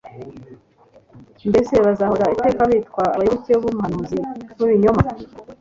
Mbese bazahora iteka bitwa abayoboke b'umuhariuzi w'ibinyoma?